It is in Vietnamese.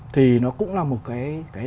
thì nó cũng là một cái